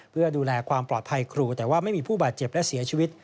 เพื่อดูแลความปลอดภัยครูแต่ว่าไม่มีผู้บาดเจ็บและเสียชีวิต